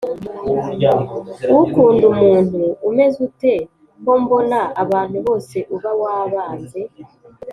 Ukunda umuntu umezute kombona abantu bose uba wabanze